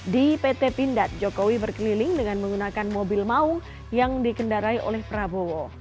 di pt pindad jokowi berkeliling dengan menggunakan mobil mau yang dikendarai oleh prabowo